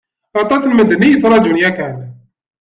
Aṭas n medden i yettrajun yakan.